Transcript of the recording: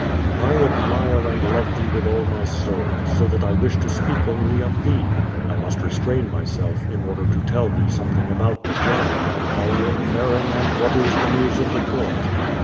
I admire and love thee with all my soul, so that I wish to speak only of thee. 1 must restrain myself, in order to tell thee something about the journey and how I am faring and what is the news of the court.